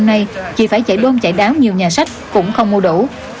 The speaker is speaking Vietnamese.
nhiều nhà sách cũng không mua đủ